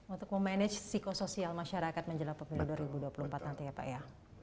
untuk memanage psikosoial masyarakat menjelang pemilu dua ribu dua puluh empat nanti ya pak ya